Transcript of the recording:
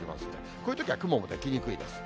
こういうときには雲も湧きにくいです。